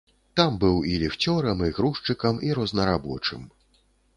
Там быў і ліфцёрам, і грузчыкам, і рознарабочым.